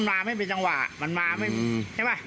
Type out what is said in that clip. มาไม่เป็นจังหวะไม่ไง